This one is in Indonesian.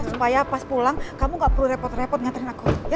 supaya pas pulang kamu gak perlu repot repot nyaterin aku